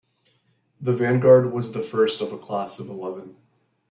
The "Vanguard" was the first of a class of eleven.